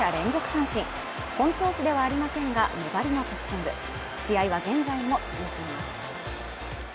三振本調子ではありませんが粘りのピッチング試合は現在も続いています